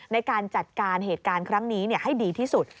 ในการจัดการเหตุการณ์ครั้งนี้ให้ดีที่สุด